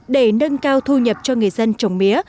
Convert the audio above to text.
để nâng cao thu nhập cho người dân trồng mía